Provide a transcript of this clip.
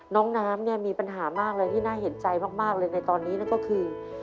น้องน้ำเนี่ยมีปัญหามากเลยที่น่าเห็นใจมากเลยในตอนนี้นั่นก็คือ